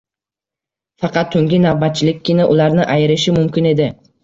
Faqat tungi navbatchilikkina ularni ayirishi mumkin edi